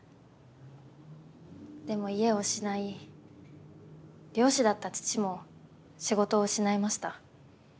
でも家を失い漁師だった父も仕事を失いました。